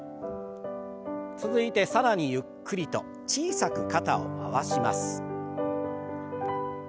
続いて更にゆっくりと小さく肩を回します。